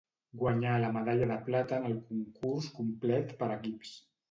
Guanyà la medalla de plata en el concurs complet per equips.